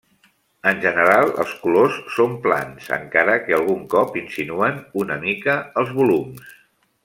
En general els colors són plans, encara que algun cop insinuen una mica els volums.